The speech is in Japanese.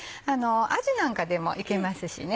アジなんかでもいけますしね。